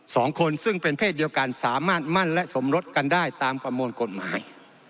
สองคนซึ่งเป็นเพศเดียวกันสามารถมั่นและสมรสกันได้ตามประมวลกฎหมาย